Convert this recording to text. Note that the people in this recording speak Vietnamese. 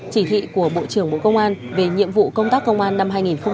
chỉ thị của bộ trưởng bộ công an về nhiệm vụ công tác công an năm hai nghìn hai mươi ba